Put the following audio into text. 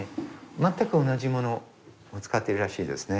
まったく同じものを使っているらしいですね